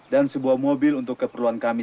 dan sebuah mobil untuk keperluan kami